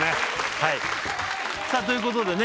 はいさあということでね